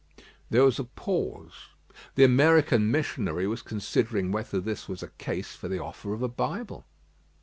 There was a pause. The American missionary was considering whether this was a case for the offer of a Bible.